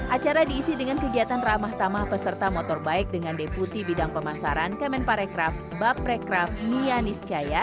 acara diisi dengan kegiatan ramah tamah peserta motorbike dengan deputi bidang pemasaran kemen parikraf bapreikraf nianis caya